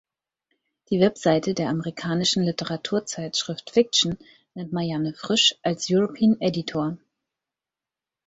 Die Webseite der amerikanischen Literaturzeitschrift "Fiction" nennt Marianne Frisch als „European Editor“.